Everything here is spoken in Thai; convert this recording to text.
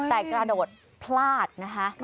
แต่กระโดดพลาดนะคะ